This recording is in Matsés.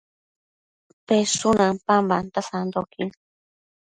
peshun ampambanta sandoquin